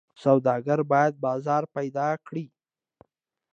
سوداګر باید بازار پیدا کړي.